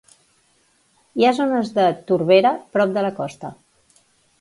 Hi ha zones de torbera prop de la costa.